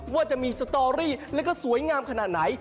ว่าจะมีสตอรี่แล้วก็สวยงามขนาดไหน